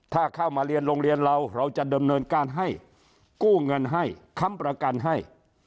ถ้าเข้ามาเรียนโรงเรียนเราเราจะดำเนินการให้กู้เงินให้ค้ำประกันให้